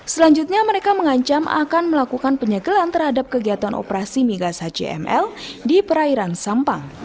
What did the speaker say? selanjutnya mereka mengancam akan melakukan penyegelan terhadap kegiatan operasi migas hcml di perairan sampang